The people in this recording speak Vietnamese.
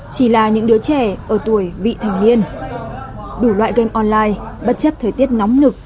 chỉ là những đứa trẻ ở tuổi vị thành niên đủ loại game online bất chấp thời tiết nóng nực